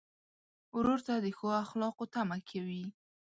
ورور ته د ښو اخلاقو تمه کوې.